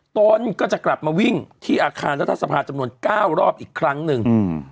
ตนก็จะกลับมาวิ่งที่อาคารรัฐสภาจำนวน๙รอบอีกครั้งหนึ่ง